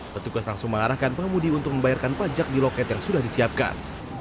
petugas langsung mengarahkan pengemudi untuk membayarkan pajak di loket yang sudah disiapkan